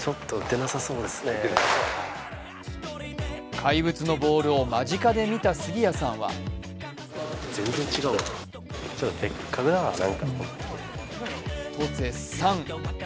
怪物のボールを間近で見た杉谷さんはと絶賛。